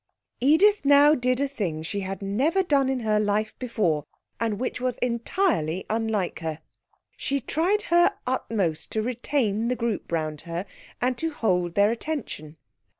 Edith now did a thing she had never done in her life before and which was entirely unlike her. She tried her utmost to retain the group round her, and to hold their attention.